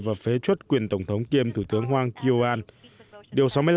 và phế chuất quyền tổng thống kiêm thủ tướng hoàng kiều an